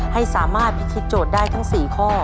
ให้สามารถพิธีโจทย์ได้ทั้ง๔ข้อ